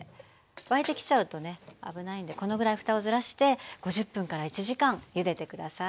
沸いてきちゃうとね危ないんでこのぐらいふたをずらして５０分１時間ゆでて下さい。